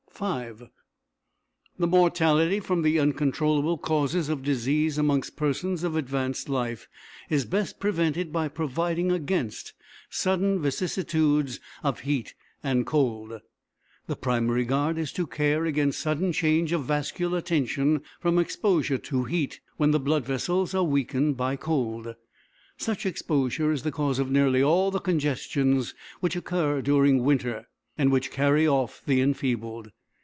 V The mortality from the uncontrollable causes of disease amongst persons of advanced life is best prevented by providing against sudden vicissitudes of heat and cold. The primary care is to guard against sudden change of vascular tension from exposure to heat when the blood vessels are weakened by cold. Such exposure is the cause of nearly all the congestions which occur during winter, and which carry off the enfeebled.